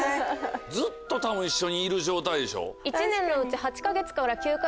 ずっと多分一緒にいる状態でしょ？え！